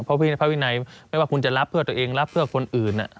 พระวินัยไม่ว่าคุณจะรับเพื่อตัวเองรับเพื่อคนอื่น